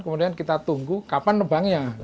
kemudian kita tunggu kapan nebangnya